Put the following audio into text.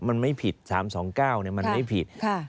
มันไม่ผิด๓๒๙มันไม่ผิด